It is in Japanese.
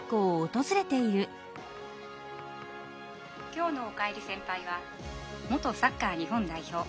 「きょうの『おかえり先輩』は元サッカー日本代表